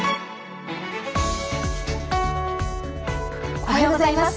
おはようございます。